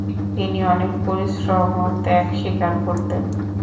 তিনি অনেক পরিশ্রম ও ত্যাগ স্বীকার করতেন।